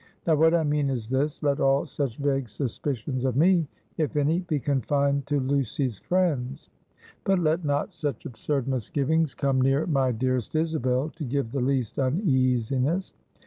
Now what I mean is this: let all such vague suspicions of me, if any, be confined to Lucy's friends; but let not such absurd misgivings come near my dearest Isabel, to give the least uneasiness.